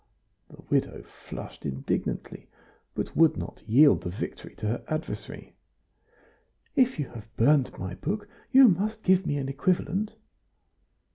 The widow flushed indignantly, but would not yield the victory to her adversary. "If you have burned my book you must give me an equivalent."